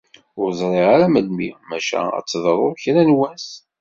Ur ẓriɣ ara melmi, maca ad d-teḍru kra n wass.